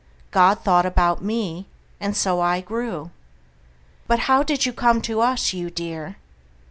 God thought about me, and so I grew. But how did you come to us, you dear?